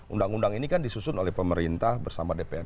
undang undang ini kan disusun oleh pemerintah bersama dpr